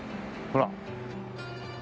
ほら。